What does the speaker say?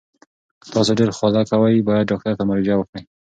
که تاسو ډیر خوله کوئ، باید ډاکټر ته مراجعه وکړئ.